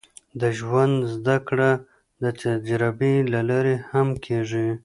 د ژوند زده کړه د تجربې له لارې هم کېږي.